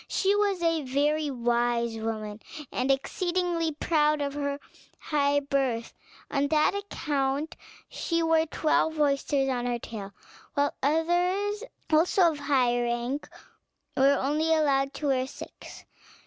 She was a very wise woman, and exceedingly proud of her high birth; on that account she wore twelve oysters on her tail; while others, also of high rank, were only allowed to wear six.